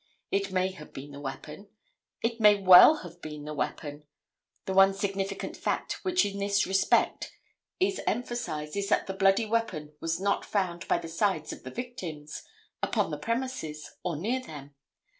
It may have been the weapon. It may well have been the weapon. The one significant fact which in this respect is emphasized is that the bloody weapon was not found by the sides of the victims, upon the premises, or near them.